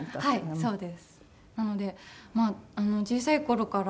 そうです。